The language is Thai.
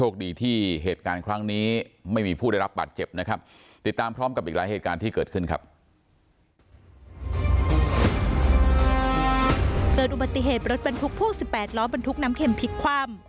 อุบัติเหตุรถบรรทุกพ่วง๑๘ล้อบรรทุกน้ำเข็มพลิกคว่ำ